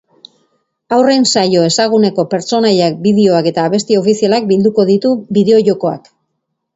Haurren saio ezaguneko pertsonaiak, bideoak eta abesti ofizialak bilduko ditu bideojokoak.